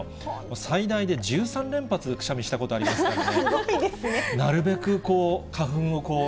最大で１３連発、くしゃみしたことありますからね。